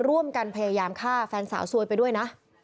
ร่วมกันพยายามฆ่าแฟนสาวซวยไปด้วยนะ